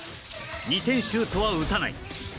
２点シュートは打たない。